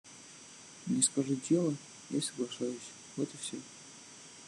Мне скажут дело, я соглашаюсь, вот и все.